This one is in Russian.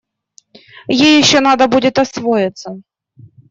Ей еще надо будет освоиться.